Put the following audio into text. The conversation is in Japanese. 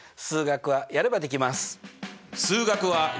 数学はやればできます！